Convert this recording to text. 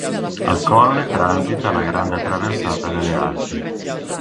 Al colle transita la Grande Traversata delle Alpi.